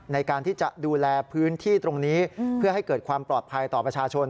ในการที่จะดูแลพื้นที่ตรงนี้เพื่อให้เกิดความปลอดภัยต่อประชาชน